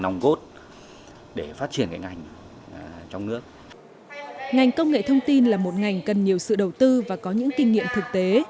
ngành công nghệ thông tin là một ngành cần nhiều sự đầu tư và có những kinh nghiệm thực tế